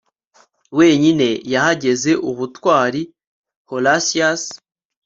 Wenyine yahagaze ubutwari Horatius